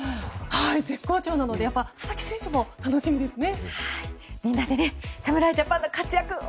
絶好調なので佐々木選手も楽しみですね。